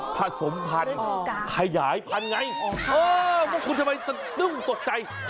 ผสมพันธุ์อ๋อขยายพันธุ์ไงอ๋อเออพวกคุณทำไมตะลึ่งตกใจ